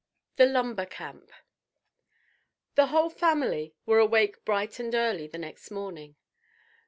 THE LUMBER CAMP THE whole family were awake bright and early the next morning.